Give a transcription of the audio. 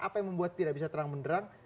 apa yang membuat tidak bisa terang menderang